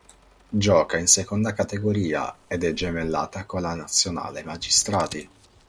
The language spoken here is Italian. Gioca in Seconda categoria, ed è gemellata con la Nazionale Magistrati.